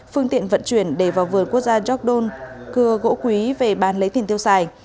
phương tiện vận chuyển để vào vườn quốc gia gióc đôn cưa gỗ quý về bán lấy tiền tiêu xài